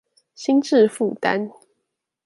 心智負擔